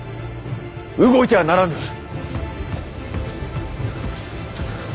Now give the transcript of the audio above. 動いてはならぬ。